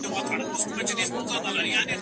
زما غنمرنگه، زما لونگه ځوانې وغوړېده